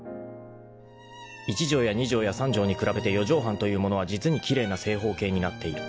［一畳や二畳や三畳に比べて四畳半というものは実に奇麗な正方形になっている］